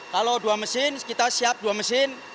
kalau dua mesin kita siap dua mesin